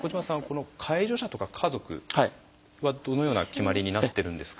この介助者とか家族はどのような決まりになってるんですか？